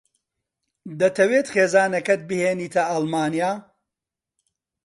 دەتەوێت خێزانەکەت بهێنیتە ئەڵمانیا؟